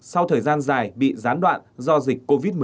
sau thời gian dài bị gián đoạn do dịch covid một mươi chín